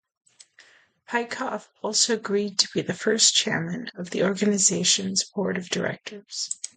Peikoff also agreed to be the first chairman of the organization's board of directors.